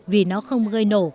vì nó không gây nổ